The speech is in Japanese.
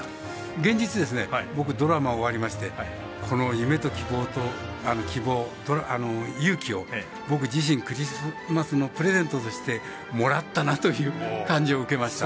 現実、僕、ドラマ終わりましてこの夢と希望と勇気を僕自身クリスマスのプレゼントとしてもらったなという感じを受けました。